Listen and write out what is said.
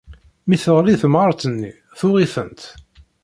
Mi teɣli temɣart-nni, tuɣ-itent.